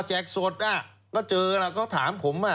แจกสดก็เจอแล้วก็ถามผม